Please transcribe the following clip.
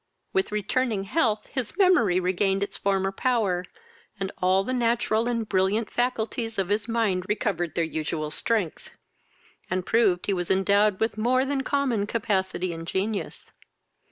With returning health his memory regained its former power, and all the natural and brilliant faculties of his mind recovered their usual strength, and proved he was endowed with more than common capacity and genius.